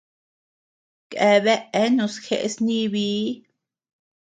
Keabea eanus jeʼes nibii.